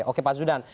oke pak zudan